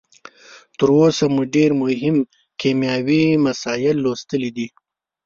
تر اوسه مو ډیر مهم کیمیاوي مسایل لوستلي دي.